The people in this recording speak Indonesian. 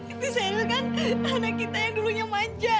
itu zeril kan anak kita yang dulunya manja